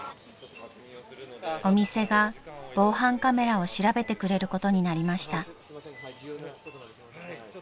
［お店が防犯カメラを調べてくれることになりました］